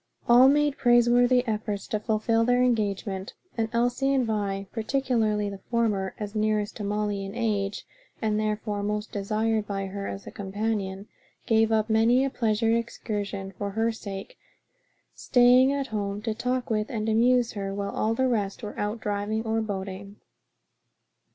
All made praiseworthy efforts to fulfil their engagement, and Elsie and Vi, particularly the former, as nearest to Molly in age, and therefore most desired by her as a companion, gave up many a pleasure excursion for her sake, staying at home to talk with and amuse her when all the rest were out driving or boating.